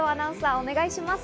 お願いします。